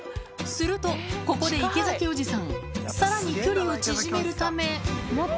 すると、ここで池崎おじさん、さらに距離を縮めるため。